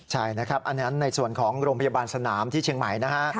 ใช่นะครับอันนั้นในส่วนของโรงพยาบาลสนามที่เชียงใหม่นะฮะ